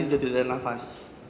sudah tidak ada nafas